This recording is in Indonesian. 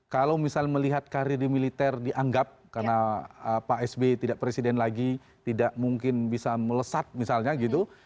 kalau misalnya melihat karir di militer dianggap karena pak sby tidak presiden lagi tidak mungkin bisa melesat misalnya gitu